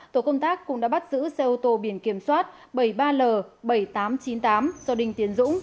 tổ công tác cũng đã bắt giữ xe ô tô biển kiểm soát bảy mươi ba l bảy nghìn tám trăm chín mươi tám do đinh tiến dũng